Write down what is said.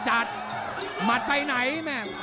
หมัดไปไหนแม่ง